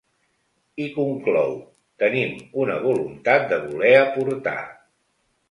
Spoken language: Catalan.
I conclou: Tenim una voluntat de voler aportar.